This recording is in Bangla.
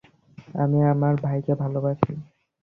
আমি আমার ভাইকে ভালোবাসি।